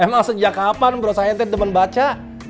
emang sejak kapan bro saya temen baca